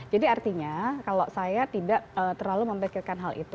jadi artinya kalau saya tidak terlalu memikirkan hal itu